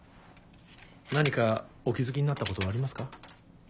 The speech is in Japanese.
何かお気付きになったことはありますか？